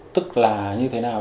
tức là như thế nào